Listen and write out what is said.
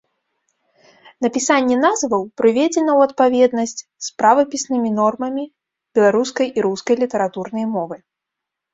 Напісанне назваў прыведзена ў адпаведнасць з правапіснымі нормамі беларускай і рускай літаратурнай мовы.